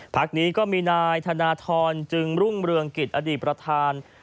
พักนี้ก็มีนายธนทรจึงรุ่งเรืองกิจอดีตประธาน